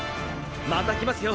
また来ますよ！